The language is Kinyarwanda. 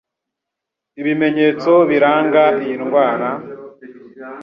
Ibimenyetso biranga iyi ndwara